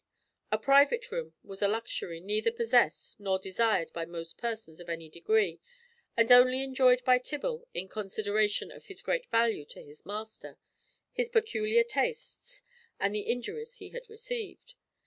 A private room was a luxury neither possessed nor desired by most persons of any degree, and only enjoyed by Tibble in consideration of his great value to his master, his peculiar tastes, and the injuries he had received.